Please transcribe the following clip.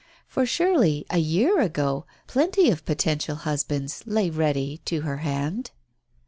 For surely, a year ago, plenty of potential husbands lay ready to her hand